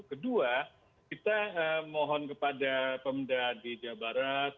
kedua kita mohon kepada pemda di jawa barat